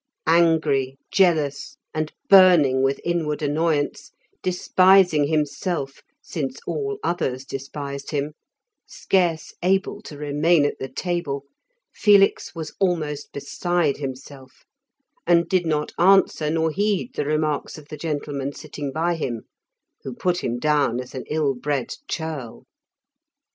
Angry, jealous, and burning with inward annoyance, despising himself since all others despised him, scarce able to remain at the table, Felix was almost beside himself, and did not answer nor heed the remarks of the gentlemen sitting by him, who put him down as an ill bred churl.